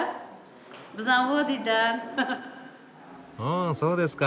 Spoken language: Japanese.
うんそうですか。